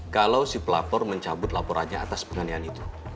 kalau si pelapor mencabut laporannya atas penganiayaan itu